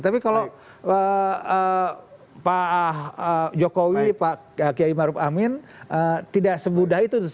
tapi kalau pak jokowi pak kiai maruf amin tidak semudah itu